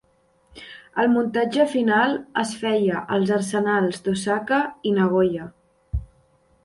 El muntatge final es feia als arsenals d'Osaka i Nagoya.